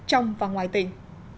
trong và ngoài tỉnh